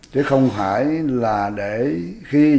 chứ không phải là để khi vụ án đó